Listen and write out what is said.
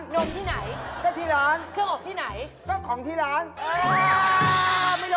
แล้วหมุนไปสุด